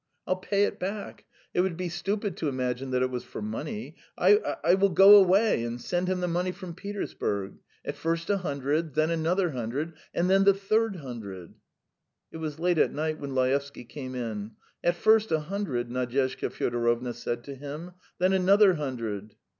"I'll pay it back. It would be stupid to imagine that it was for money I ... I will go away and send him the money from Petersburg. At first a hundred ... then another hundred ... and then the third hundred. ..." It was late at night when Laevsky came in. "At first a hundred ..." Nadyezhda Fyodorovna said to him, "then another hundred